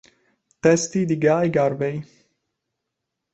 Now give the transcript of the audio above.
Testi di Guy Garvey.